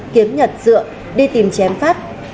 kiếm nhật dựa đi tìm chém pháp